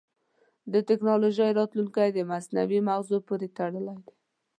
د ټکنالوجۍ راتلونکی د مصنوعي مغزو پورې تړلی دی.